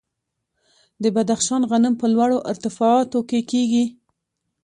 د بدخشان غنم په لوړو ارتفاعاتو کې کیږي.